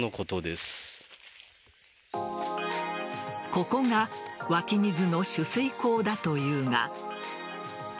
ここが湧き水の取水口だというが。